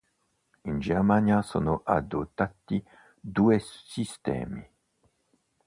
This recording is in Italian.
In Germania sono adottati due sistemi.